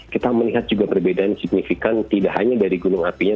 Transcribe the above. kita melihat juga perbedaan signifikan tidak hanya dari gunung apinya